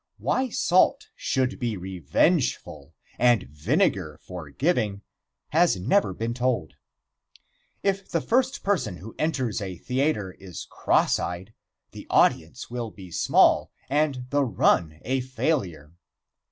Why salt should be revengeful and vinegar forgiving has never been told. If the first person who enters a theatre is crosseyed, the audience will be small and the "run" a failure.